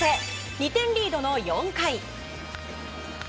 ２点リードの４回。